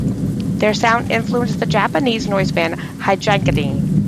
Their sound influenced the Japanese noise band Hijokaidan.